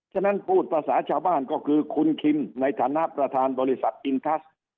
ฉะนั้นพูดภาษาชาวบ้านก็คือคุณคิมในฐานะประธานบริษัทอินทัส